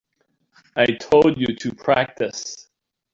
I told you to practice.